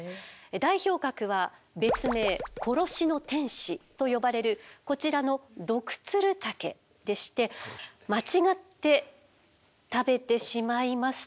代表格は別名殺しの天使と呼ばれるこちらのドクツルタケでして間違って食べてしまいますと。